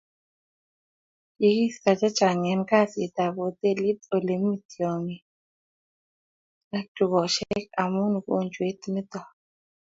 kikiista chechang eng kasit ab hotelit ,ole mi tiangik ak dukoshek amun ukonjwet niton